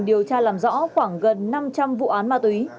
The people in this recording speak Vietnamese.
điều tra làm rõ khoảng gần năm trăm linh vụ án ma túy